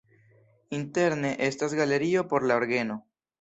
Interne estas galerio por la orgeno.